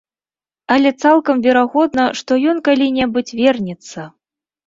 Але цалкам верагодна, што ён калі-небудзь вернецца.